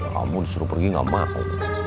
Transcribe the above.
kamu disuruh pergi gak mau